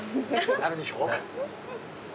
なるでしょ？